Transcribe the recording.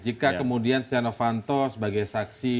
jika kemudian stiano fanto sebagai saksi